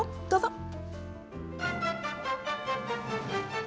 どうぞ。